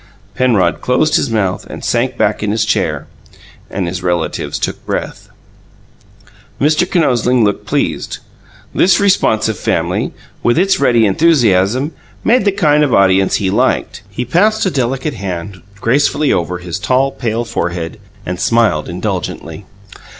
Penrod closed his mouth and sank back in his chair and his relatives took breath. Mr. Kinosling looked pleased. This responsive family, with its ready enthusiasm, made the kind of audience he liked. He passed a delicate white hand gracefully over his tall, pale forehead, and smiled indulgently.